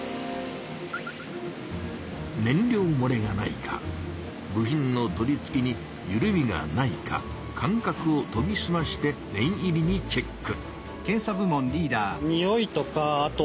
燃料もれがないか部品の取り付けにゆるみがないか感覚をとぎすまして念入りにチェック。